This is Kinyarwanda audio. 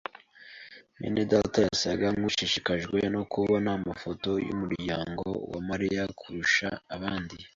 mwene data yasaga nkushishikajwe no kubona amafoto yumuryango wa Mariya kurusha abandi.